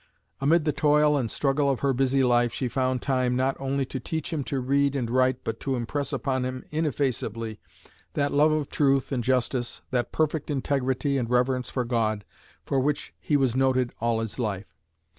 Amid the toil and struggle of her busy life she found time not only to teach him to read and write but to impress upon him ineffaceably that love of truth and justice, that perfect integrity and reverence for God, for which he was noted all his life.